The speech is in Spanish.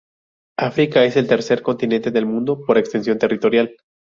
África es el tercer continente del mundo por extensión territorial.